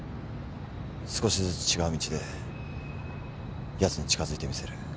少しずつ違う道でやつに近づいてみせる。